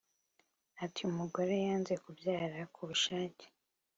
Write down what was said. Ati “Umugore yanze kubyara ku bushake